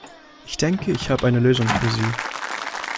Ich denke, ich habe eine Lösung für Sie.